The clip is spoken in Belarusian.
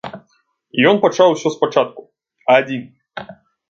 І ён пачаў усё спачатку, адзін.